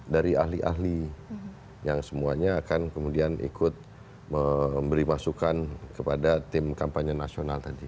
dari ahli ahli yang semuanya akan kemudian ikut memberi masukan kepada tim kampanye nasional tadi